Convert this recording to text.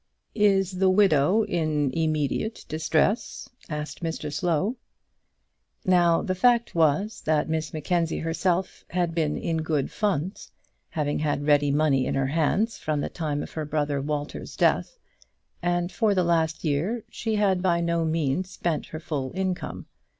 "Is the widow in immediate distress?" asked Mr Slow. Now the fact was that Miss Mackenzie herself had been in good funds, having had ready money in her hands from the time of her brother Walter's death; and for the last year she had by no means spent her full income.